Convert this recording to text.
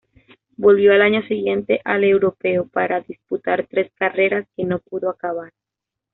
Volvió al año siguiente al Europeo para disputar tres carreras, que no pudo acabar.